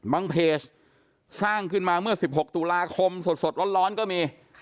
เพจสร้างขึ้นมาเมื่อ๑๖ตุลาคมสดร้อนก็มี